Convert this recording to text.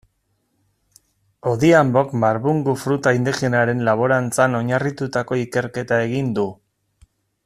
Odhiambok marbungu fruta indigenaren laborantzan oinarritututako ikerketa egin du.